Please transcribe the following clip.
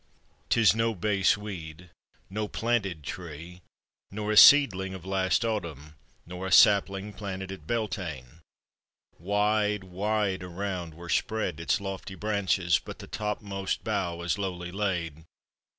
'Tis no base weed — no planted tree, Nor a seedling of last Autumn ; Nor a sapling planted at Beltain; Wide, wide around were spread its lofty branches But the topmost bough is lowly laid